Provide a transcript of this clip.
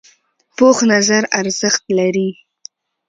پوخ نظر ارزښت لري